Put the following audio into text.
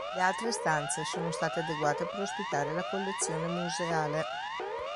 Le altre stanze sono state adeguate per ospitare la collezione museale.